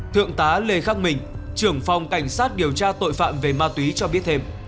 thượng tá lê khắc minh trưởng phòng cảnh sát điều tra tội phạm về ma túy cho biết thêm